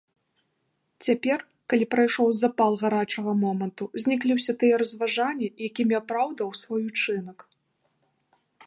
Цяпер, калі прайшоў запал гарачага моманту, зніклі ўсе тыя разважанні, якімі апраўдваў свой учынак.